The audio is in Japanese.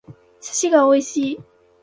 寿司が美味しい